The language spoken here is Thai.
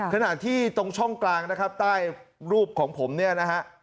ขณะที่ตรงช่องกลางนะครับใต้รูปของผมเนี่ยนะฮะ